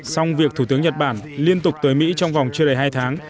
xong việc thủ tướng nhật bản liên tục tới mỹ trong vòng chưa đầy hai tháng